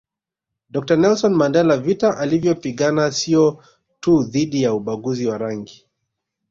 Dr Nelson Mandela vita alivyopigana sio tu dhidi ya ubaguzi wa rangi